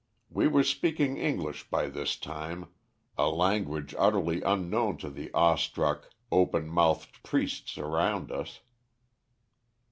We were speaking English by this time a language utterly unknown to the awestruck, open mouthed priests around us.